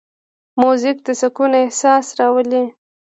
موزیک د سکون احساس راولي.